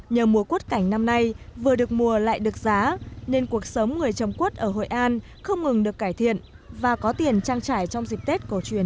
nhờ mùa quất cảnh năm nay vừa được mùa lại được giá nên cuộc sống người trồng quất ở hội an không ngừng được cải thiện và có tiền trang trải trong dịp tết cổ truyền